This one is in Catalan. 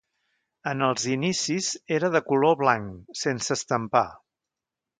En els inicis era de color blanc, sense estampar.